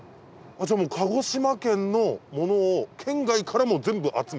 じゃあ鹿児島県のものを県外からも全部集めて？